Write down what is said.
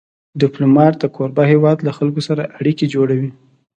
ډيپلومات د کوربه هېواد له خلکو سره اړیکې جوړوي.